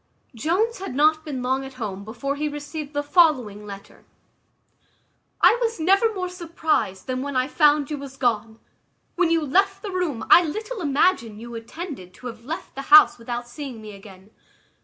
Jones had not been long at home before he received the following letter: "I was never more surprized than when I found you was gone. When you left the room I little imagined you intended to have left the house without seeing me again.